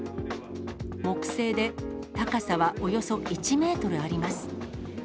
木製で、高さはおよそ１メートルあります。